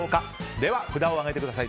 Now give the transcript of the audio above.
では、札を上げてください。